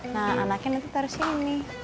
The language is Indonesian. nah anaknya nanti sini